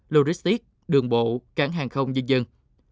logistics đường bộ cảng hàng không dân dân